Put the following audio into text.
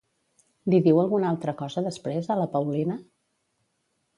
Li diu alguna altra cosa després, a la Paulina?